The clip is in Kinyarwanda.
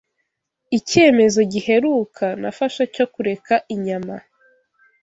Icyemezo Giheruka Nafashe cyo Kureka Inyama